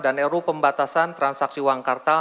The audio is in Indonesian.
dan ru pembatasan transaksi wangkarta